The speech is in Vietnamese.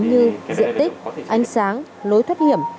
như diện tích ánh sáng lối thoát hiểm